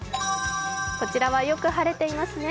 こちらは、よく晴れていますね。